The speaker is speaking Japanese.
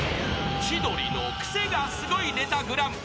［『千鳥のクセがスゴいネタＧＰ』］